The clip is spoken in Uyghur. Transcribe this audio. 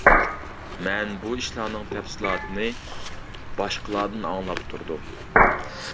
مەن بۇ ئىشلارنىڭ تەپسىلاتىنى باشقىلاردىن ئاڭلاپ تۇردۇم.